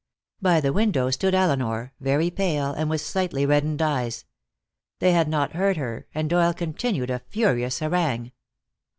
By the window stood Elinor, very pale and with slightly reddened eyes. They had not heard her, and Doyle continued a furious harangue.